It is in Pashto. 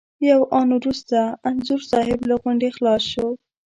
یو آن وروسته انځور صاحب له غونډې خلاص شو.